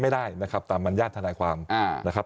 ไม่ได้นะครับตามบรรยาทนายความนะครับ